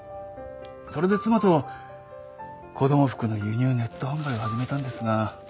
それで妻と子供服の輸入ネット販売を始めたんですが。